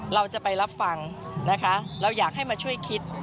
เราจะไปรับฟังนะคะเราอยากให้มาช่วยคิด